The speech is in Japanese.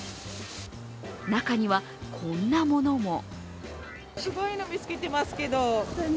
中には、こんなものも。